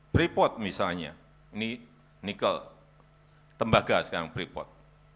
breport misalnya ini nikel tembaga sekarang breport